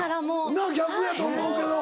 なぁ逆やと思うけど。